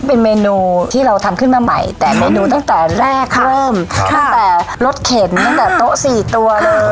เป็นเมนูที่เราทำขึ้นมาใหม่แต่เมนูตั้งแต่แรกเริ่มตั้งแต่รสเข็นตั้งแต่โต๊ะสี่ตัวเลย